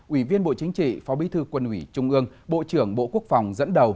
ủy viên bộ chính trị phó bí thư quân ủy trung ương bộ trưởng bộ quốc phòng dẫn đầu